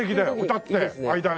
歌って間で。